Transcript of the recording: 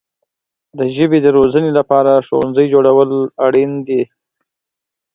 د ژبې د روزنې لپاره ښوونځي جوړول اړین دي.